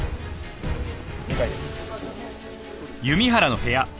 ２階です。